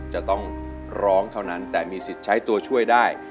จะต้องร้องเท่านั้นแต่มีสิทธิ์ใช้ตัวช่วยได้